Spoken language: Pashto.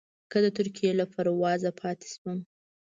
که د ترکیې له پروازه پاتې شوم.